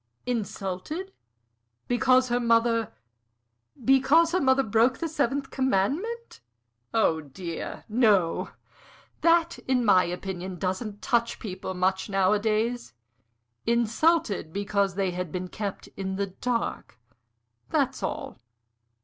"Insulted? Because her mother " "Because her mother broke the seventh commandment? Oh, dear, no! That, in my opinion, doesn't touch people much nowadays. Insulted because they had been kept in the dark that's all.